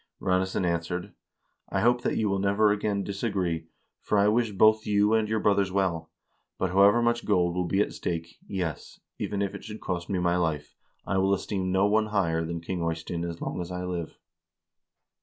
Ranesson answered :' I hope that you will never again disagree, for I wish both you and your brothers well ; but however much gold will be at stake, yes, even if it should cost me my life, I will esteem no one higher than King Eystein as long as I live.'